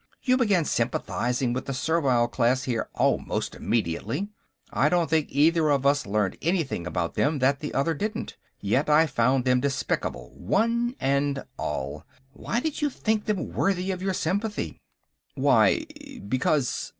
You began sympathizing with the servile class here almost immediately. I don't think either of us learned anything about them that the other didn't, yet I found them despicable, one and all. Why did you think them worthy of your sympathy?" "Why, because...."